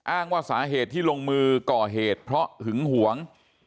อ้างว่าสาเหตุที่ลงมือก่อเหตุเพราะหึงหวง